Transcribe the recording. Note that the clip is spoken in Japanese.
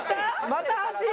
また８位？